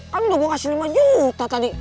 kan lo gue kasih lima juta tadi